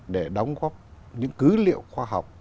để đóng góp những cứ liệu khoa học